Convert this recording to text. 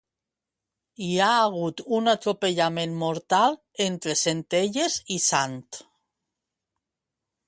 Hi ha hagut un atropellament mortal entre Centelles i Sant.